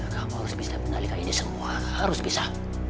kamu harus bisa mengendalikan ini semua harus bisa